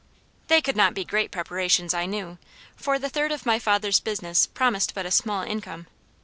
They could not be great preparations, I knew, for the third of my father's business promised but a small income.